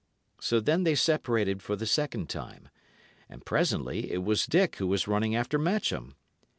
So then they separated for the second time; and presently it was Dick who was running after Matcham.